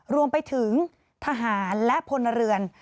รวมไปถึงทหารและพลเรือน